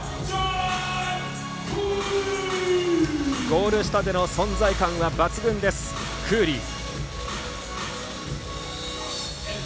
ゴール下での存在感は抜群です、クーリー。